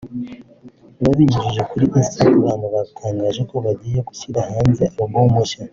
Babinyujije kuri Instagram batangaje ko bagiye gushyira hanze album nshya